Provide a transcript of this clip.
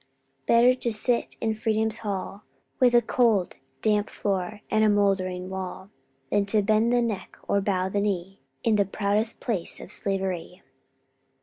"'Better to sit in Freedom's hall, With a cold damp floor, and a mouldering wall, Than to bend the neck or to bow the knee In the proudest palace of Slavery.'